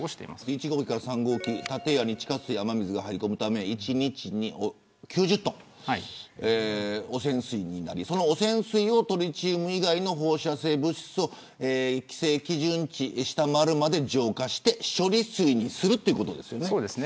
１号機から３号機建屋に地下水、雨水が入り込むため１日に９０トン汚染水になりその汚染水をトリチウム以外の放射性物質を規制基準値を下回るまで浄化して処理水にするということですよね。